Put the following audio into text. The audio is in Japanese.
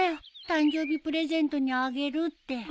誕生日プレゼントにあげるって。